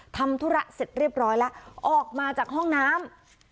ทำธุระเสร็จเรียบร้อยแล้วออกมาจากห้องน้ำ